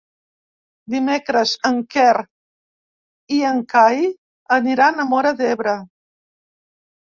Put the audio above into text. Dimecres en Quer i en Cai aniran a Móra d'Ebre.